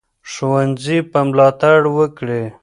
ښوونځي به ملاتړ وکړي.